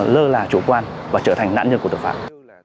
lơ là chủ quan và trở thành nạn nhân của tội phạm